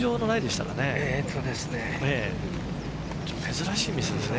珍しいミスですね。